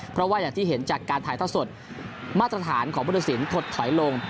เพราะว่าอย่างที่เห็นจากการถ่ายท่อสดมาตรฐานของพุทธศิลปดถอยลง